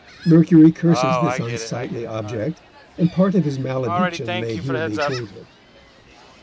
Mercury curses this unsightly object, and part of his malediction may here be quoted.